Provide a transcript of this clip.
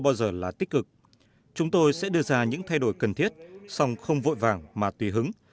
bao giờ là tích cực chúng tôi sẽ đưa ra những thay đổi cần thiết song không vội vàng mà tùy hứng